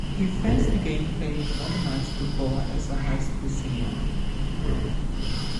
He first began playing organized football as a high school senior.